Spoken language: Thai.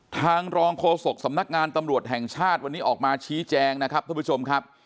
ทางรองโฆษกสำนักงานตำรวจแห่งชาติวันนี้ออกมาชี้แจงนะครับท่านผู้ชมครับ